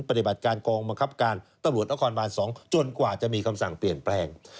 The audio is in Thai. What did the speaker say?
ปฏิบัติการกองบังคับการตำรวจนครบาน๒จนกว่าจะมีคำสั่งเปลี่ยนแปลง